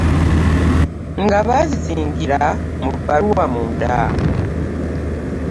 Nga bazizingira mu bbaluwa munda.